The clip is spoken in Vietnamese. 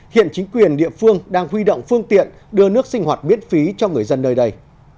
hiện chính quyền địa phương đang huy động phương tiện đưa nước sinh hoạt miễn phí cho người dân nơi đây